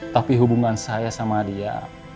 tapi hubungan saya sama dia